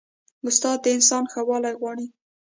استاد د انسان ښه والی غواړي.